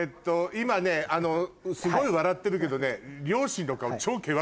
今ねすごい笑ってるけどね。